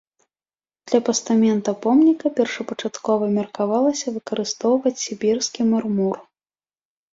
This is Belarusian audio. Для пастамента помніка першапачаткова меркавалася выкарыстоўваць сібірскі мармур.